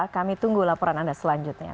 kami tunggu laporan anda selanjutnya